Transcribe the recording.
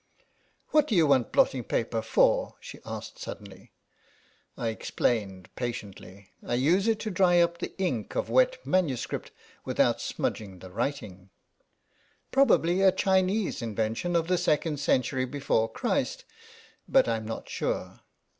"What do you want blotting paper for?" she asked suddenly. I explained patiently. " I use it to dry up the ink of wet manuscript without smudging the writing. 30 THE SEX THAT DOESN'T SHOP Probably a Chinese invention of the second century before Christ, but Fm not sure.